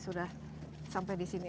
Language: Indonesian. sudah sampai disini